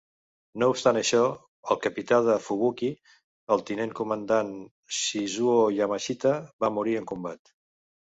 No obstant això, el capità de "Fubuki", el tinent comandant Shizuo Yamashita, va morir en combat.